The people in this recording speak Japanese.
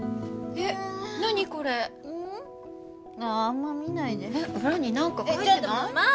えっ裏に何か描いてない？